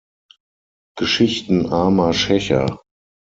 Geschichten armer Schächer".